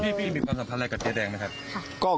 มีความสัมพันธ์อะไรกับเจ๊แดงไหมครับ